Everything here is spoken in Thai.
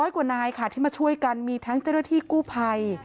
กว่านายค่ะที่มาช่วยกันมีทั้งเจ้าหน้าที่กู้ภัย